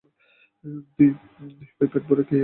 দুই ভাই পেট ভরে কেক খেয়ে বাচ্চাদের সঙ্গে ফুটবল খেলতে গেল।